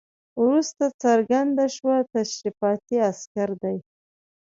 وروسته څرګنده شوه تشریفاتي عسکر دي.